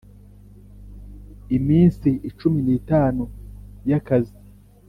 iminsi cumi n itanu y akazi